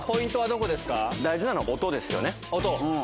大事なのは音ですよね。